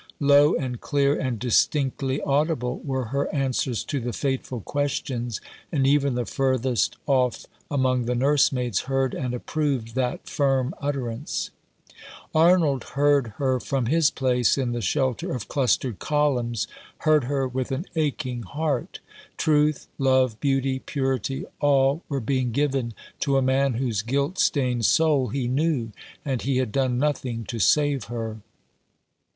Low and clear and distinctly audible were her answers to the fateful questions, and even the furthest off ^among the nursemaids heard and approved that iirm utterance. 302 What he Meant to Do. Arnold heard her from his place in the shelter of clustered columns, heard her with an aching heart. Truth, love, beauty, purity, all were being given to a man whose guilt stained soul he knew ; and he had done nothing to save her.